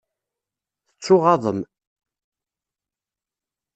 Tettuɣaḍem.